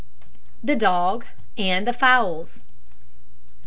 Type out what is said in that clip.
THE DOG AND THE FOWLS.